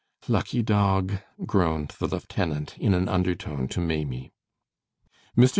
"Lucky dog!" groaned the lieutenant, in an undertone to Maimie. Mr. St.